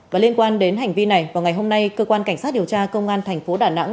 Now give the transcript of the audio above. và liên quan đến hành vi này vào ngày hôm nay cơ quan cảnh sát điều tra công an thành phố đà nẵng